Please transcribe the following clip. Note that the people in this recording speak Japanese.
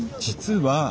実は。